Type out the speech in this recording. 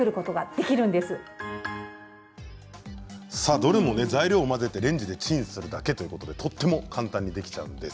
どれも材料を混ぜてレンジでチンするだけということでとても簡単にできちゃうんです。